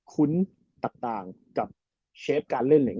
คุ้นต่างกับเชฟการเล่น